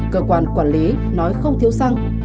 cơ quan quản lý nói không thiếu xăng